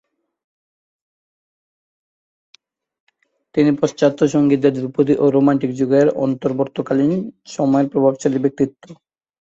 তিনি পাশ্চাত্য সঙ্গীতের ধ্রুপদী ও রোমান্টিক যুগের অন্তর্বর্তীকালীন সময়ের প্রভাবশালী ব্যক্তিত্ব।